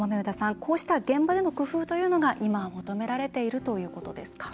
こうした現場での工夫というのが今、求められているということですか？